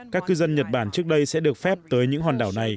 các cư dân nhật bản trước đây sẽ được phép tới những hòn đảo này